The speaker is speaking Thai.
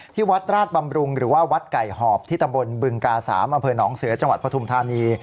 ที่วัดราษบำรุงหรือวัดไก่หอบที่ตำบลบึงกา๓อนเสื้อจังหวัดประถุมธานี